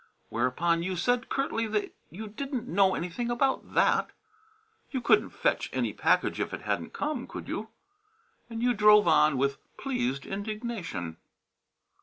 Whereupon you said curtly that you didn't know anything about that you couldn't fetch any package if it hadn't come, could you? And you drove on with pleased indignation.